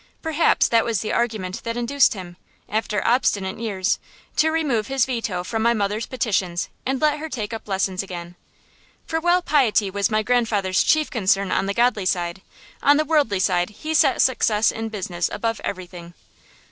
Perhaps that was the argument that induced him, after obstinate years, to remove his veto from my mother's petitions and let her take up lessons again. For while piety was my grandfather's chief concern on the godly side, on the worldly side he set success in business above everything.